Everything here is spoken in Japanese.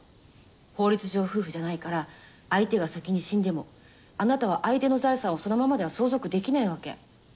法律上夫婦じゃないから相手が先に死んでもあなたは相手の財産をそのままでは相続できないわけ。